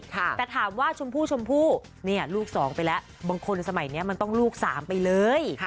แต่ถามว่าชมพู่ชมพู่เนี่ยลูกสองไปแล้วบางคนสมัยนี้มันต้องลูก๓ไปเลย